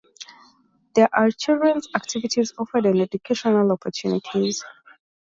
There are children's activities offered and educational opportunities.